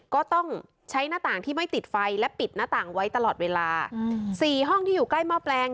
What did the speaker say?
ก็ต้องใช้หน้าต่างที่ไม่ติดไฟและปิดหน้าต่างไว้ตลอดเวลาอืมสี่ห้องที่อยู่ใกล้หม้อแปลง